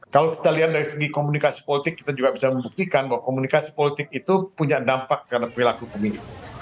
kalau kita lihat dari segi komunikasi politik kita juga bisa membuktikan bahwa komunikasi politik itu punya dampak karena perilaku pemilih